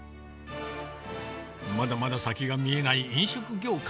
まだまだ先が見えない飲食業界。